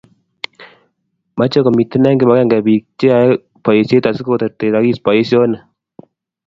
Meche komiten eng kibagenge biiko cheyoe boisiet asigoterter ogis boisionik